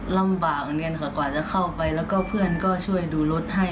ลำบากกว่าจะเข้าไปแล้วก็เพื่อนก็ช่วยดูรถให้